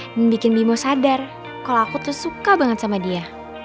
dan bikin bimo sadar kalau aku tersuka banget sama dia